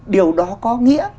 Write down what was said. điều đó có nghĩa